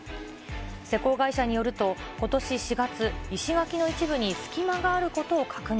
施工会社によると、ことし４月、石垣の一部に隙間があることを確認。